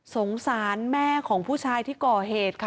สงสารแม่ของผู้ชายที่ก่อเหตุค่ะ